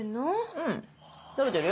うん食べてるよ。